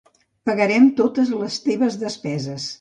Pagarem totes les teves despeses.